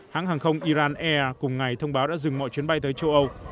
hãng hàng không iran air cùng ngày thông báo đã dừng mọi chuyến bay tới châu âu